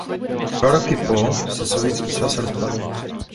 Dva roky po se Sovětský svaz rozpadl.